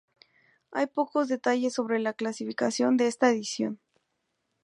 Hay pocos detalles sobre la clasificación de esta edición.